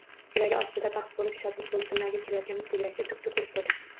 Yuragi ostida baxt boʻlib, shodlik boʻlib, dunyoga kelayotgan mitti yurakcha duk-duk urib qoʻydi